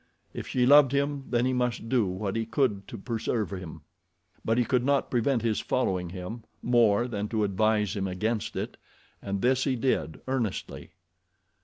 If she loved him then he must do what he could to preserve him, but he could not prevent his following him, more than to advise him against it, and this he did, earnestly.